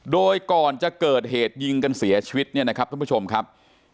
โดยก่อนจะเกิดเหตุยิงกันเสียชีวิตเนี่ยนะครับท่านผู้ชมครับ